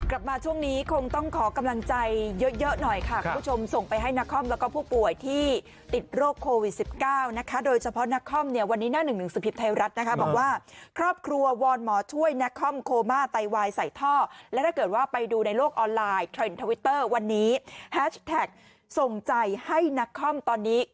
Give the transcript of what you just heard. กลับมาช่วงนี้คงต้องขอกำลังใจเยอะเยอะหน่อยค่ะคุณผู้ชมส่งไปให้นักคอมแล้วก็ผู้ป่วยที่ติดโรคโควิด๑๙นะคะโดยเฉพาะนักคอมเนี่ยวันนี้หน้าหนึ่งหนังสือพิมพ์ไทยรัฐนะคะบอกว่าครอบครัววอนหมอช่วยนักคอมโคม่าไตวายใส่ท่อและถ้าเกิดว่าไปดูในโลกออนไลน์เทรนด์ทวิตเตอร์วันนี้แฮชแท็กส่งใจให้นักคอมตอนนี้